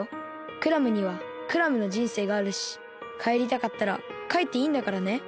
クラムにはクラムのじんせいがあるしかえりたかったらかえっていいんだからね。